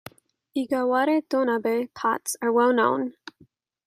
Iga ware "donabe" pots are well-known.